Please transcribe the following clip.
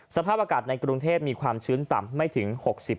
สภาพอากาศในกรุงเทพมีความชื้นต่ำไม่ถึง๖๐